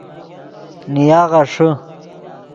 نیا غیݰے